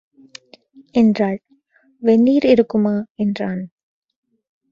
என்றாள். "வெந்நீர் இருக்குமா" என்றான்.